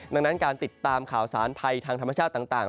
ดังนั้นการติดตามข่าวสารภัยทางธรรมชาติต่าง